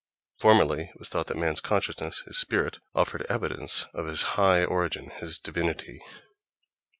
Formerly it was thought that man's consciousness, his "spirit," offered evidence of his high origin, his divinity.